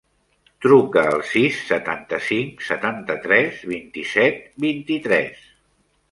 Truca al sis, setanta-cinc, setanta-tres, vint-i-set, vint-i-tres.